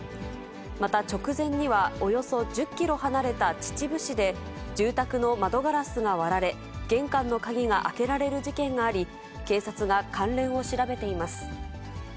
また直前には、およそ１０キロ離れた秩父市で、住宅の窓ガラスが割られ、玄関の鍵が開けられる事件があり、警察が関連を調べています。